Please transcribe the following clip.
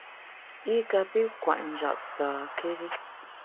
I kapi kwet njap sâkéri.